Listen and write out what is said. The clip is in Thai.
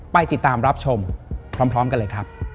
ไปติดตามรับชมพร้อมกันเลยครับ